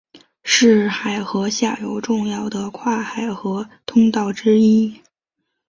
是海河下游重要的跨海河通道之一。